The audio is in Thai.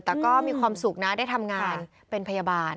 แต่ก็มีความสุขนะได้ทำงานเป็นพยาบาล